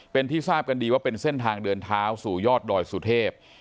เป็นที่ทราบกันดีว่าเป็นเส้นทางเดินเท้าสู่ยอดดอยสุเทพ